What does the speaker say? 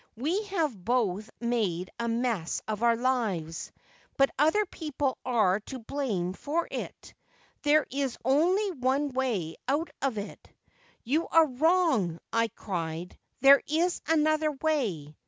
"We have both made a mess of our lives, but other people are to blame for it. There is only one way out of it." " You are wrong/' I cried, "there is another way